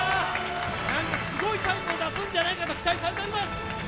すごいタイムを出すんじゃないかと期待されています。